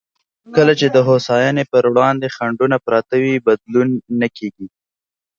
کله چې د هوساینې پر وړاندې خنډونه پراته وي، بدلون نه کېږي.